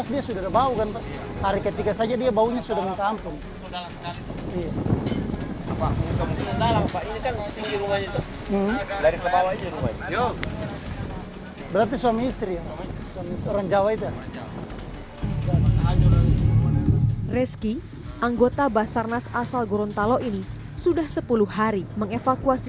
dan bantalo ini sudah sepuluh hari mengevakuasi